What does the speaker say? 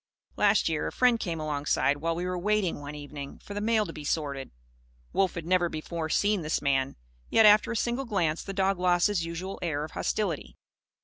Last year, a friend came alongside, while we were waiting, one evening, for the mail to be sorted. Wolf had never before seen this man. Yet, after a single glance, the dog lost his usual air of hostility.